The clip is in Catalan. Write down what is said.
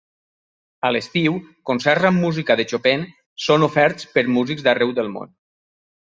A l'estiu, concerts amb música de Chopin són oferts per músics d'arreu del món.